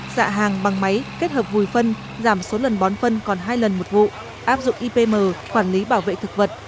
xạ hàng bằng máy kết hợp vùi phân giảm số lần bón phân còn hai lần một vụ áp dụng ipm quản lý bảo vệ thực vật